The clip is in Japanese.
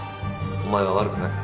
お前は悪くない。